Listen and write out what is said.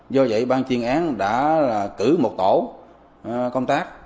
do vậy ban chuyên án đã cử một tổ công tác